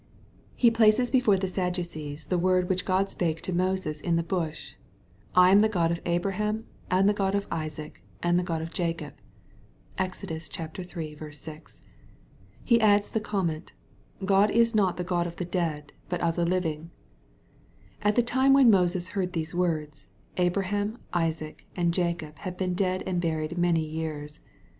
He places before the Sadducees the wordi 13 290 EXPOSITOBT THOUGHTS. which €k)d spake to Moses in the bash :r'I am the God of Abraham, and the God of Isaac, and the Gtoi of Jacob/' (Exod. iii. 6.) He adds the comment, " God is not the God of the dead, but of the living/M \A.t the time when Moses heard these words, Abraham, Isaac, and Ja cob had been dead and buried many years.